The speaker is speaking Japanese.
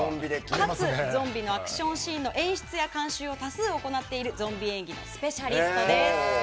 かつ、ゾンビのアクションシーンの演出や監修を多数行っているゾンビ演技のスペシャリストです。